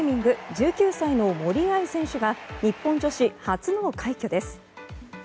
１９歳の森秋彩選手が日本女子初の快挙です。